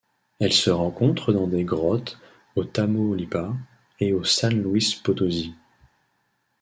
Elle se rencontre dans des grottes au Tamaulipas et au San Luis Potosí.